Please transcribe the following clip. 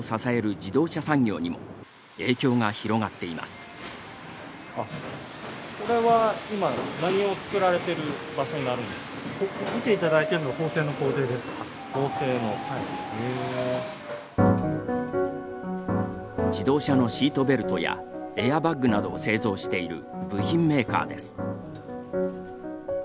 自動車のシートベルトやエアバッグなどを製造している部品メーカーです。